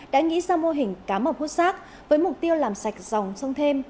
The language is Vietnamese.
đã nghĩ ra mô hình cá mỏ hút rác với mục tiêu làm sạch dòng sông thêm